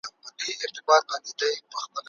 حکومت به بیا هم ملت په نویو شیانو بوخت ساتي.